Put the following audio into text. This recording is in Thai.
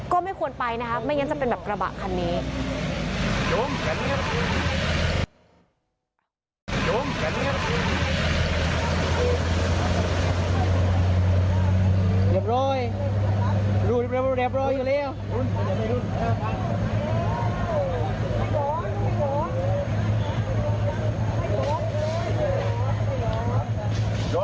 ก็ไม่ควรไปนะครับไม่งั้นจะเป็นแบบกระบะคันนี้